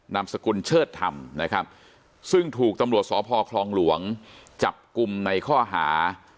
นามสกุลเชิดธรรมนะครับซึ่งถูกตำรวจสพคลองหลวงจับกลุ่มในข้อหา